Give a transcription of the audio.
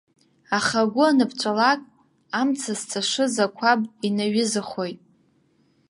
Аха агәы аныԥҵәалак, амца зҵашыз ақәаб инаҩызахоит.